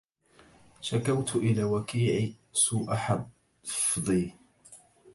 شكوت إلى وكيع سوء حفظي